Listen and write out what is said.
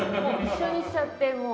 もう一緒にしちゃって。